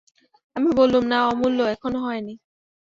আমি বললুম, না অমূল্য, এখনো হয় নি।